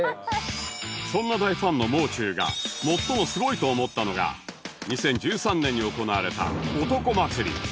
そんな大ファンのもう中が最もすごいと思ったのが２０１３年に行われた男祭り